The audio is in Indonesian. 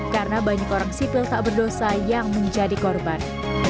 karena banyak orang sipil tak berdosa yang menjadi korban